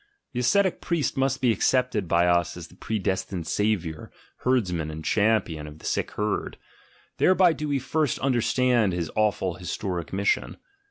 The ascetic priest must be accepted by us as the predestined saviour, herdsman, and champion of the sick herd: thereby do we first understand his awful his toric mission.